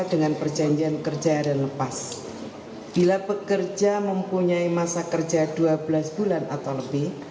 harian lepas bila pekerja mempunyai masa kerja dua belas bulan atau lebih